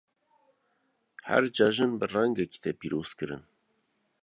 Her cejin bi rengekî tê pîrozkirin.